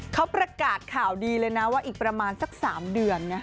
เขาประกาศข่าวดีเลยนะว่าอีกประมาณสัก๓เดือน